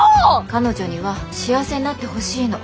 彼女には幸せになってほしいの。